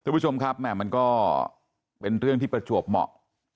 คุณผู้ชมครับแม่มันก็เป็นเรื่องที่ประจวบเหมาะ